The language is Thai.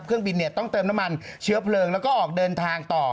เครื่องบินต้องเติมน้ำมันเชื้อเพลิงแล้วก็ออกเดินทางต่อ